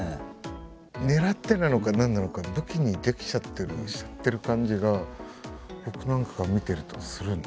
狙ってなのか何なのか武器にできちゃってるしちゃってる感じが僕なんかが見てるとするんですけどね。